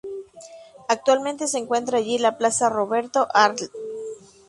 Actualmente se encuentra allí la Plaza Roberto Arlt.